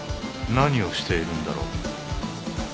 何をしているんだろう？